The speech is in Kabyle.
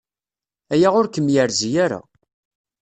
Aya ur kem-yerzi ara.